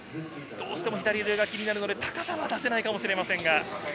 左腕が気になるので、高さは出せないかもしれません。